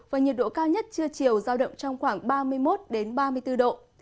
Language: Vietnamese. và nhiệt độ cao nhất chưa chiều giao động trong khoảng ba mươi một đến ba mươi bốn độ